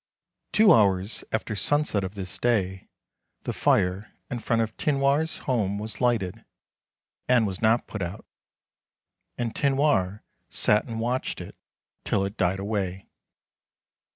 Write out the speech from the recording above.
Two hours after sunset of this day the fire in front of Tinoir's home was Hghted, and was not put out, and Tinoir sat and watched it till it died away.